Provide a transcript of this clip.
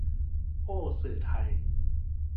โอ้สื่อไทย